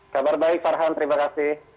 kabar baik farhan terima kasih